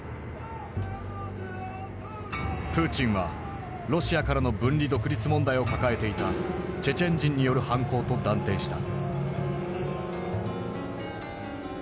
プーチンはロシアからの分離独立問題を抱えていたチェチェン人による犯行と断定した。